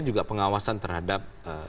juga pengawasan terhadap